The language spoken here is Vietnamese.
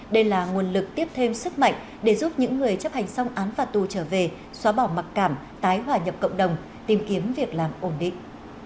đây là nguồn lực tiếp thêm sức mạnh để giúp những người chấp hành xong án phạt tù trở về xóa bỏ mặc cảm tái hòa nhập cộng đồng tìm kiếm việc làm ổn định